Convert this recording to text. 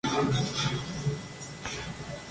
Su equipo actual es el Defensor Sporting de Uruguay.